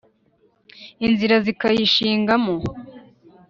. Inzira zikayishingamo